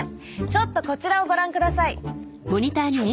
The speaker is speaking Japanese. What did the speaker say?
ちょっとこちらをご覧ください。